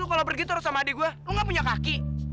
yuk pulang yuk